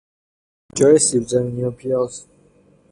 جای سیب زمینی و پیاز